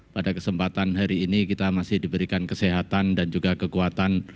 pada kesempatan hari ini kita masih diberikan kesehatan dan juga kekuatan